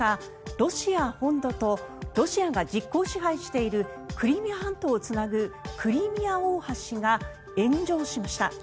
ロシア本土とロシアが実効支配しているクリミア半島をつなぐクリミア大橋が炎上しました。